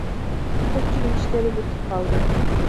Көпчүлүк иштери бүтүп калды.